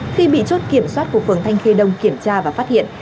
khi bị chốt kiểm soát của phường thanh khê đông kiểm tra và phát hiện